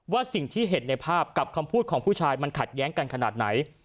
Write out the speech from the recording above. สิ่งที่เห็นในภาพกับคำพูดของผู้ชายมันขัดแย้งกันขนาดไหน